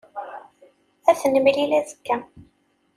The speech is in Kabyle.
Ad t-nemlil azekka.